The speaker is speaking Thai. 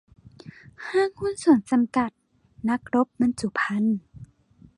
ห้างหุ้นส่วนจำกัด นักรบบรรจุภัณฑ์